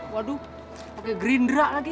waduh pakai gerindra lagi